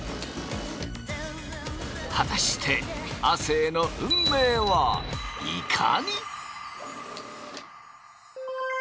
果たして亜生の運命はいかに。